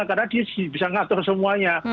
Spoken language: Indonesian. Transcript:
karena dia bisa mengatur semuanya